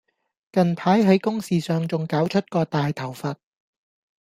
近排喺公事上仲搞出個大頭佛